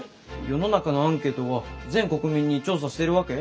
世の中のアンケートは全国民に調査してるわけ？